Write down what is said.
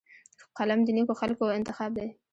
قلم د نیکو خلکو انتخاب دی